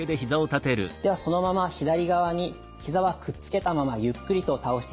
ではそのまま左側にひざはくっつけたままゆっくりと倒していってください。